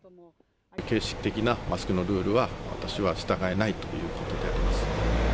形式的なマスクのルールは、私は従えないということであります。